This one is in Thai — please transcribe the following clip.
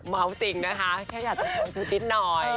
เมาว์จริงนะคะแค่อยากจะโชว์นิดหน่อย